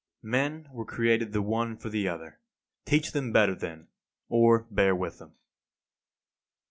59. Men were created the one for the other. Teach them better then, or bear with them.